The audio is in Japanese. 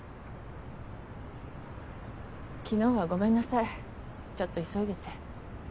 昨日はごめんなさいちょっと急いでて。